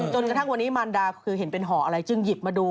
จนกระทั่งวันนี้มารดาคือเห็นเป็นห่ออะไรจึงหยิบมาดู